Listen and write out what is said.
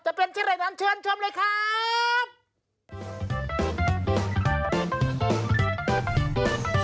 จะเป็นที่ไหนนั้นเชิญชมเลยครับ